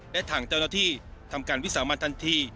และทางเจ้าหน้าที่ทำการวิสามันทันที